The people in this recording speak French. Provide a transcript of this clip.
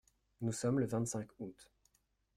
Nous sommes le vingt-cinq août.